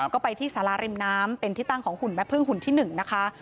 ก็ไปที่สาราริมน้ำเป็นที่ตั้งของหุ่นแม่พึ่งหุ่นที่๑นะคะ